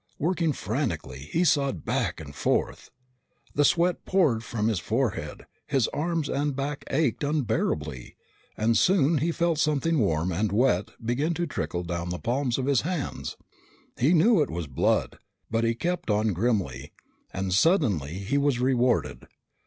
Working frantically, he sawed back and forth. The sweat poured from his forehead, his arms and back ached unbearably, and soon he felt something warm and wet begin to trickle down the palms of his hands. He knew it was blood, but he kept on grimly, and suddenly he was rewarded.